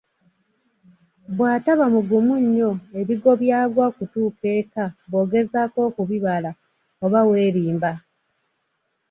Bw’ataba mugumu nnyo ebigwo byagwa okutuuka eka bw'ogezaako okubibala oba weerimba!